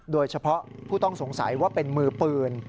โดยเฉพาะผู้ต้องสงสัยว่าเป็นมือปืน